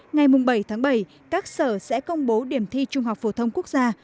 ngày bảy tháng bảy các sở sẽ công bố điểm thi trung học phổ thông quốc gia